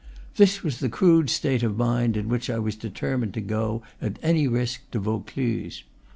This was the crude state of mind in which I determined to go, at any risk, to Vaucluse.